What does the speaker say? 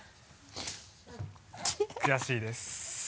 悔しいです。